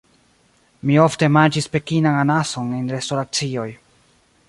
Mi ofte manĝis Pekinan Anason en restoracioj.